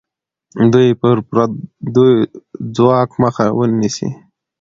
دوی به د پردیو ځواک مخه ونیسي.